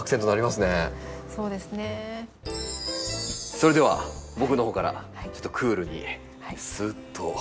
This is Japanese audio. それでは僕の方からちょっとクールにスーッと。